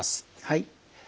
はい。